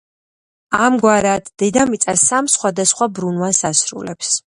ამგვარად, დედამიწა სამ სხვადასხვა ბრუნვას ასრულებს